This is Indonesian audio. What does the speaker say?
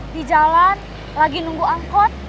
di jalan lagi nunggu angkot